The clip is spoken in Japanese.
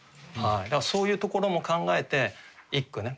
だからそういうところも考えて一句をね